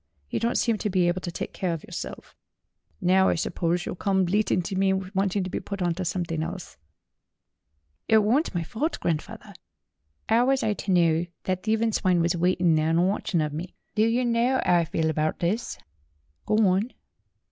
You don't seem to be able to take care of yourself. Now I suppose you'll come bleating to me wanting to be put on to something else." "It worn't my fault, grandfawther. 'Ow was I ter know thet thievin' swine was waitin' theer an' watchin' of me ? Der yer know 'ow I feel abart this ?" "Go on."